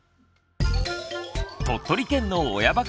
鳥取県の親バカ